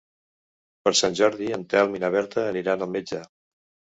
Per Sant Jordi en Telm i na Berta aniran al metge.